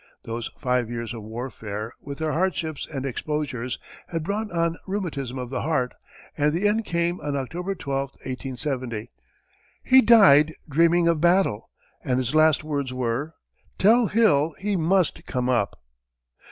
Those five years of warfare, with their hardships and exposures, had brought on rheumatism of the heart, and the end came on October 12, 1870. He died dreaming of battle, and his last words were, "Tell Hill he must come up!"